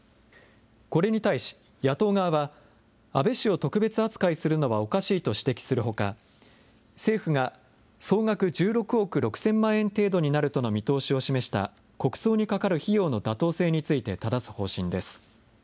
これに対し、野党側は安倍氏を特別扱いするのはおかしいと指摘するほか、政府が総額１６億６０００万円程度になるとの見通しを示した、国葬にかかる費用の妥当性についてただす方針です。